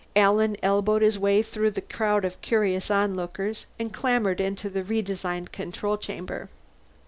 Alan elbowed his way through the crowd of curious onlookers and clambered into the redesigned control chamber.